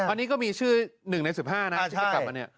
อันนี้ก็มีชื่อ๑ใน๑๕นะที่จะกลับมาเนี่ย